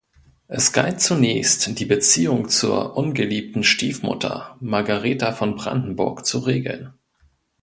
Es galt zunächst, die Beziehung zur ungeliebten Stiefmutter, Margareta von Brandenburg, zu regeln.